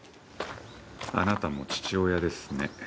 あなたも父親ですね。